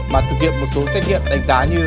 mà thực hiện một số xét nghiệm đánh giá như